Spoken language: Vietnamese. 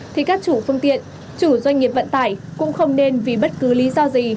thì các chủ phương tiện chủ doanh nghiệp vận tải cũng không nên vì bất cứ lý do gì